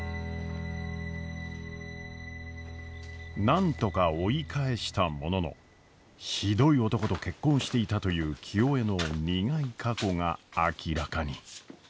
なんとか追い返したもののひどい男と結婚していたという清恵の苦い過去が明らかに。